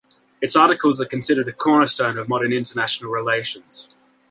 Its articles are considered a cornerstone of modern international relations.